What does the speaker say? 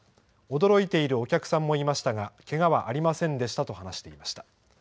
驚いているお客さんもいましたが、けがはありませんでしたと話していました。